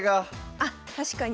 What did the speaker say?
あっ確かに。